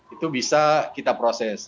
itu bisa kita proses